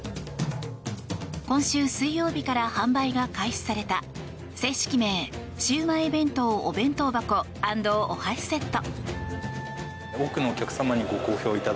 今週水曜日から販売が開始された正式名シウマイ弁当お弁当箱＆お箸セット。